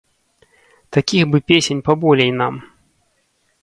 Такіх бы песень паболей нам!